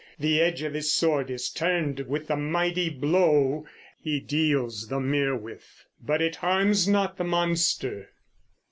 The edge of his sword is turned with the mighty blow he deals the merewif; but it harms not the monster.